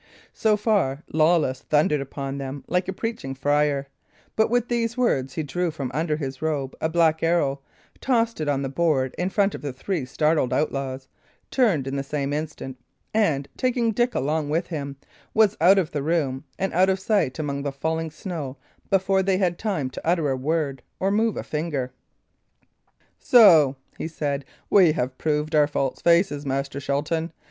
So far Lawless thundered upon them like a preaching friar; but with these words he drew from under his robe a black arrow, tossed it on the board in front of the three startled outlaws, turned in the same instant, and, taking Dick along with him, was out of the room and out of sight among the falling snow before they had time to utter a word or move a finger. "So," he said, "we have proved our false faces, Master Shelton.